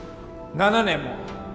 ７年も！